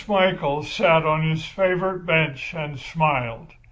Prince Michael sat on his favourite bench and smiled.